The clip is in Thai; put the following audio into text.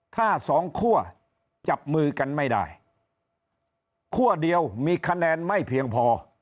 ถ้าสองคั่วจับมือกันไม่ได้คั่วเดียวมีคะแนนไม่เพียงพอ